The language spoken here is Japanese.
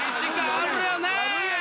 あるよね。